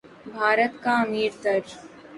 بھارت کا امیر تر